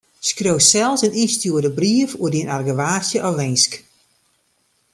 Skriuw sels in ynstjoerde brief oer dyn argewaasje of winsk.